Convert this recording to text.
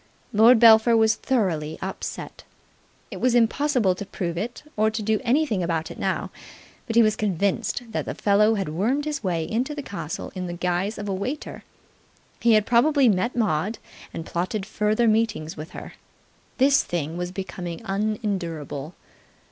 Lord Belpher was thoroughly upset. It was impossible to prove it or to do anything about it now, but he was convinced that the fellow had wormed his way into the castle in the guise of a waiter. He had probably met Maud and plotted further meetings with her. This thing was becoming unendurable.